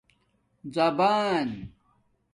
زبان